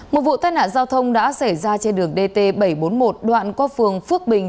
một vụ tai nạn giao thông đã xảy ra trên đường dt bảy trăm bốn mươi một đoạn qua phường phước bình